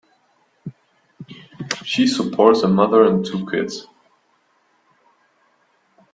She supports a mother and two kids.